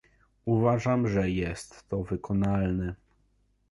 Uważam, że jest to wykonalne